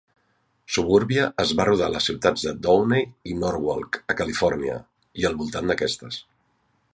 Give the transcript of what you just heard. "Suburbia" es va rodar a les ciutats de Downey i Norwalk, a Califòrnia, i al voltant d'aquestes.